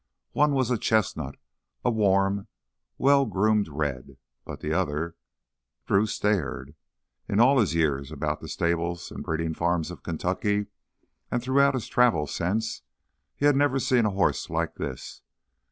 One was a chestnut, a warm, well groomed red. But the other ... Drew stared. In all his years about the stables and breeding farms of Kentucky, and throughout his travels since, he had never seen a horse like this.